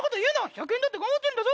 １００円だって頑張ってるんだぞ。